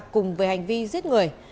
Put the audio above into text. cùng với hành vi giết người